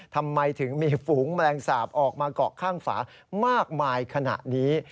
ทำไมถึงมีฝูงแมลงสาปออกมาเกาะข้างฝามากมายขนาดนี้